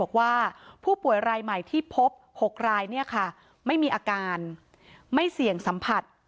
บอกว่าผู้ป่วยรายใหม่ที่พบ๖รายเนี่ยค่ะไม่มีอาการไม่เสี่ยงสัมผัส